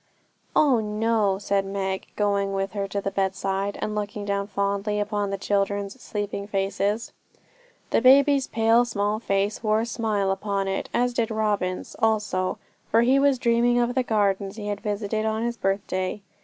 'Oh no,' said Meg, going with her to the bedside, and looking down fondly upon the children's sleeping faces. The baby's pale small face wore a smile upon it, as did Robin's also, for he was dreaming of the gardens he had visited on his birthday.